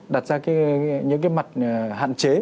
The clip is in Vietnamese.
đặt ra những cái mặt hạn chế